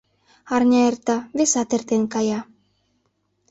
Арня эрта, весат эртен кая.